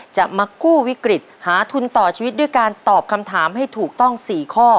จะมากู้วิกฤตหาทุนต่อชีวิตด้วยการตอบคำถามให้ถูกต้อง๔ข้อ